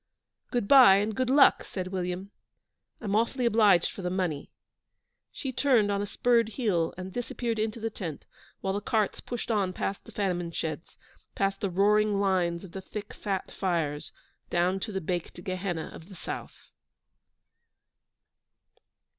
'Good bye, and good luck,' said William. 'I'm awfully obliged for the money.' She turned on a spurred heel and disappeared into the tent, while the carts pushed on past the famine sheds, past the roaring lines of the thick, fat fires, down to the baked Gehenna of the South.